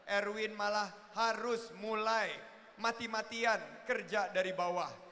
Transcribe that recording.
erwin malah harus mulai mati matian kerja dari bawah